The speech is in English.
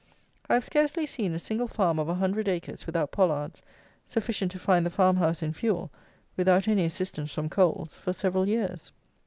I have scarcely seen a single farm of a hundred acres without pollards, sufficient to find the farm house in fuel, without any assistance from coals, for several years.